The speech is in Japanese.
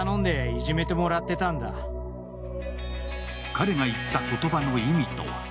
彼が言った言葉の意味とは？